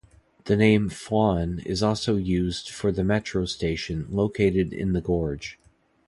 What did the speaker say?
The name "Flon" is also used for the metro station located in the gorge.